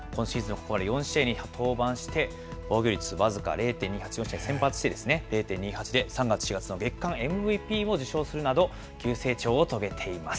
ここまで４試合に登板して、防御率僅か０．２８、先発してですね、０．２８で、３月、４月の月間ＭＶＰも受賞するなど、急成長を遂げています。